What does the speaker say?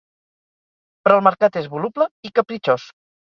Però el mercat és voluble i capritxós.